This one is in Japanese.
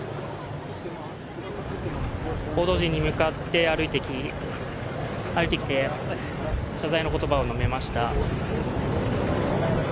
報道陣に向かって歩いてきて、謝罪の言葉を述べました。